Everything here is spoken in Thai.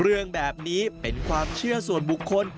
เรื่องแบบนี้เป็นความเชื่อส่วนบุคคล